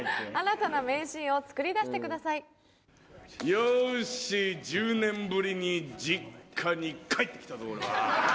よし１０年ぶりに実家に帰って来たぞ俺は。